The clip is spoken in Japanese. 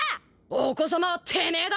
お子さまはてめえだ！